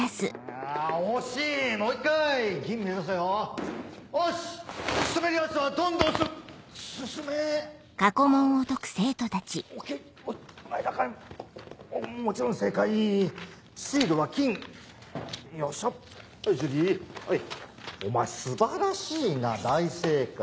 はい樹里お前素晴らしいな大正解。